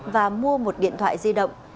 và mua một điện thoại di động